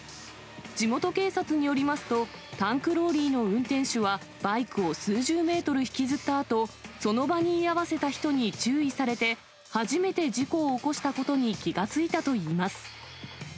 地元警察によりますと、タンクローリーの運転手は、バイクを数十メートル引きずったあと、その場に居合わせた人に注意されて、初めて事故を起こしたことに気が付いたといいます。